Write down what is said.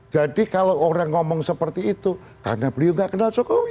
jadi kalau orang ngomong seperti itu karena beliau gak kenal jokowi